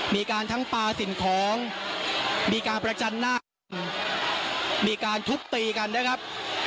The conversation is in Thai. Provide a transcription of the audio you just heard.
มีการทั้งปลาสิ่งของมีการประจันหน้ามีการทุบตีกันนะครับ